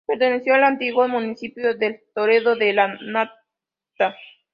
Perteneció al antiguo municipio del Toledo de La Nata.